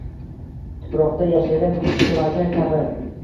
Tuproqda yashagan chuvalchang kabi